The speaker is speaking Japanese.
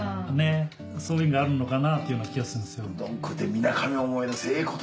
そういうのがあるのかなっていうような気がするんですよ。